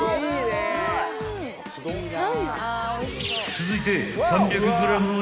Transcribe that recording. ［続いて］